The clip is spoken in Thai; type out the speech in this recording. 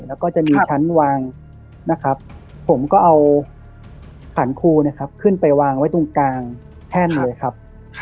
แล้วก็จะมีชั้นวางนะครับผมก็เอาขันครูนะครับขึ้นไปวางไว้ตรงกลางแท่นเลยครับ